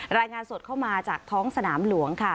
รายงานสดเข้ามาจากท้องสนามหลวงค่ะ